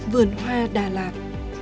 vườn hoa đà lạt